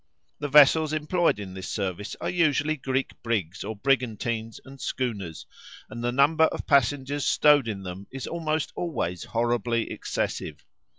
The vessels employed in this service are usually Greek brigs or brigantines and schooners, and the number of passengers stowed in them is almost always horribly excessive.